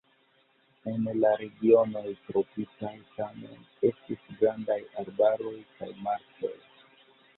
En la regionoj tropikaj tamen estis grandaj arbaroj kaj marĉoj.